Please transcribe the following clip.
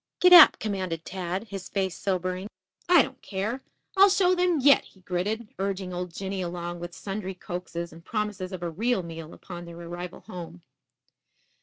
"Gid ap!" commanded Tad, his face sobering. "I don't care. I'll show them yet," he gritted, urging old Jinny along with sundry coaxes and promises of a real meal upon their arrival home.